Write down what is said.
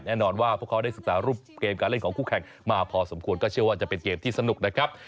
แน่นอนว่าพวกเขาได้ศึกษารูปเกมการเล่นของคู่แข่งมาพอสมควรก็เชื่อว่าจะเป็นเกมที่สนุกนะครับ